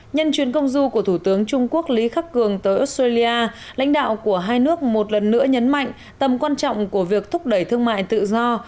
nhân chuyến công du của thủ tướng trung quốc lý khắc cường tới australia lãnh đạo của hai nước một lần nữa nhấn mạnh tầm quan trọng của việc thúc đẩy thương mại tự do